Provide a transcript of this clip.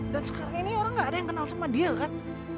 dan sekarang ini orang nggak ada yang kenal sama dia kan